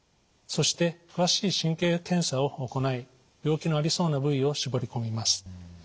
そして詳しい神経検査を行い病気のありそうな部位を絞り込みます。